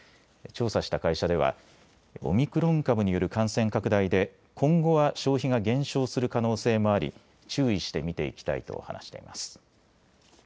調査した会社ではオミクロン株による感染拡大で今後は消費が減少する可能性もあり注意して見ていきたいと話しています。